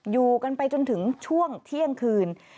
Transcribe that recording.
อยู่กันไปจนถึงช่วงเที่ยงคืน